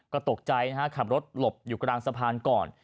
ก็ตกใจนะฮะขับรถหลบอยู่กลางสะพานก่อน